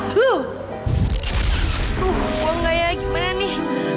aduh buang gak ya gimana nih